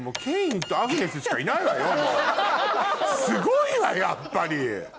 すごいわやっぱり。